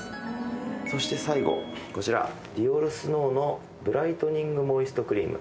そして最後こちらディオールスノーのブライトニングモイストクリーム。